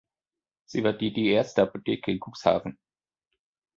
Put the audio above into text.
Sie war die die erste Apotheke in Cuxhaven.